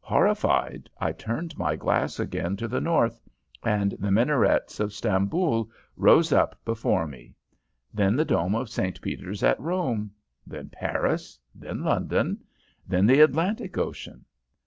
Horrified, I turned my glass again to the north, and the minarets of Stamboul rose up before me; then the dome of St. Peter's at Rome; then Paris; then London; then the Atlantic Ocean.